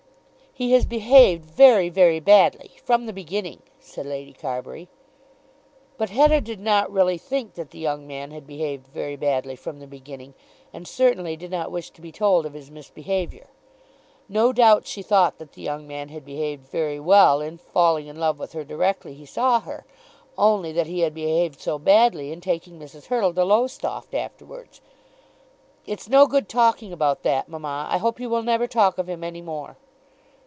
"He has behaved very, very badly, from the beginning," said Lady Carbury. But Hetta did not really think that the young man had behaved very badly from the beginning, and certainly did not wish to be told of his misbehaviour. No doubt she thought that the young man had behaved very well in falling in love with her directly he saw her; only that he had behaved so badly in taking Mrs. Hurtle to Lowestoft afterwards! "It's no good talking about that, mamma. I hope you will never talk of him any more."